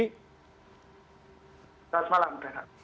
selamat malam pak renan